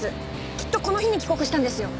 きっとこの日に帰国したんですよ。